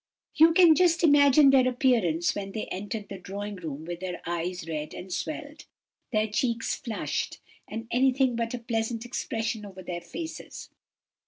"You can just imagine their appearance when they entered the drawing room with their eyes red and swelled, their cheeks flushed, and anything but a pleasant expression over their faces.